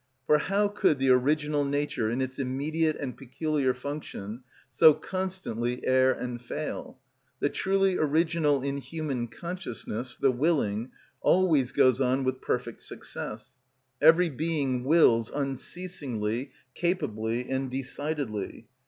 For how could the original nature in its immediate and peculiar function so constantly err and fail? The truly original in human consciousness, the willing, always goes on with perfect success; every being wills unceasingly, capably, and decidedly.